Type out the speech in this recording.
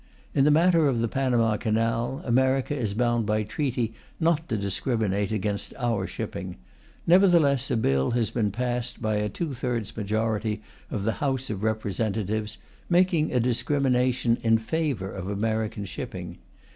In the matter of the Panama canal, America is bound by treaty not to discriminate against our shipping; nevertheless a Bill has been passed by a two thirds majority of the House of Representatives, making a discrimination in favour of American shipping.